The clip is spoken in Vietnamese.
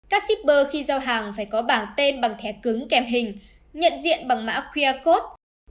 các shipper khi giao hàng phải có bảng tên bằng thẻ cứng kèm hình nhận diện bằng mã qr code